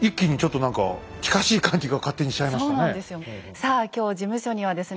さあ今日事務所にはですね